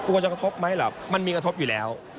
กลัวจะกระทบไหมเหรอมันมีกระทบอยู่แล้ว